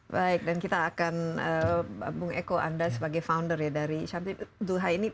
baik dan kita akan bambung echo anda sebagai founder ya dari shamsi duhai ini